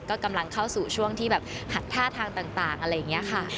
ก็กำลังเข้าสู่ช่วงที่แบบหัดท่าทางต่างอะไรอย่างนี้ค่ะ